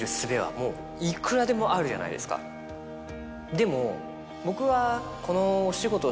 でも僕は。